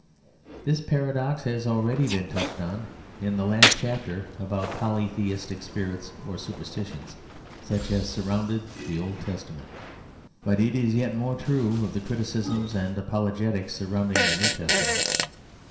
This paradox has already been touched on in the last chapter about polytheistic spirits or superstitions such as surrounded the Old Testament, but it is yet more true of the criticisms and apologetics surrounding the New Testament.